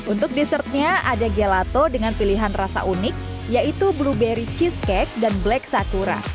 untuk dessertnya ada gelato dengan pilihan rasa unik yaitu blueberry cheesecake dan black sakura